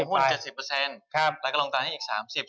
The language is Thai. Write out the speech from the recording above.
ก็คือลงหุ้น๗๐เปอร์เซ็นต์แล้วก็ลงตราให้อีก๓๐เปอร์เซ็นต์